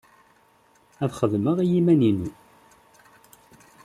Ad xedmeɣ i yiman-inu.